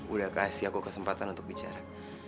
udah kasih aku kesempatan untuk bicara